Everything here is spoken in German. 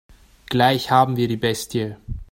Gleich haben wir die Bestie.